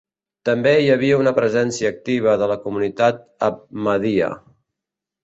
També hi ha una presència activa de la comunitat ahmadia.